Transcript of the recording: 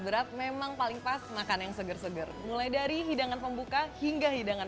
berat memang paling pas makan yang seger seger mulai dari hidangan pembuka hingga hidangan